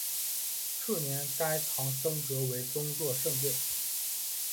次年该堂升格为宗座圣殿。